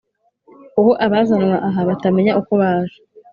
kuko abazanwa aha batamenya uko baje